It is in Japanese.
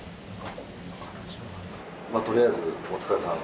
まあとりあえずお疲れさん。